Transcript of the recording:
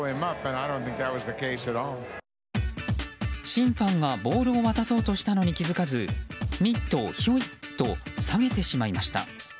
審判がボールを渡そうとしたのに気付かずミットをひょいっと下げてしまいました。